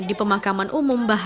di pemakaman umum bahra